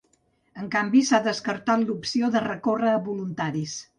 En canvi, s’ha descartat l’opció de recórrer a voluntaris.